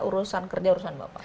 urusan kerja urusan bapak